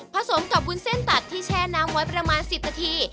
สมกับวุ้นเส้นตัดที่แช่น้ำไว้ประมาณ๑๐นาที